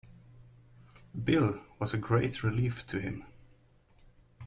Bill was a great relief to him.